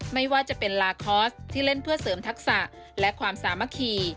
ไม่ว่าจะเป็นลาคอร์สที่เล่นเพื่อเสริมทักษะและความสามัคคี